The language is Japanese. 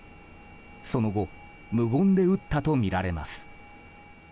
その後無言で撃ったとみられます。